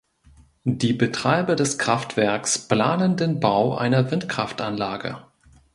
Die Betreiber des Kraftwerks planen den Bau einer Windkraftanlage.